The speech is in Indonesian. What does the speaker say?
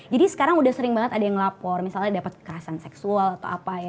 jadi sekarang udah sering banget ada yang ngelapor misalnya dapet kekerasan seksual atau apa ya